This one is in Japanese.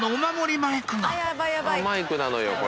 マイクなのよこれ。